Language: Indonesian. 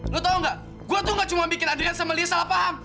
lo tau gak gue tuh gak cuma bikin adelian sama lia salah paham